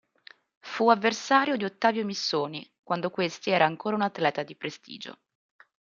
Fu avversario di Ottavio Missoni, quando questi era ancora un atleta di prestigio.